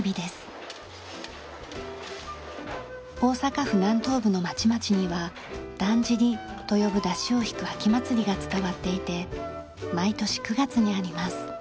大阪府南東部の町々には「だんじり」と呼ぶ山車を引く秋祭りが伝わっていて毎年９月にあります。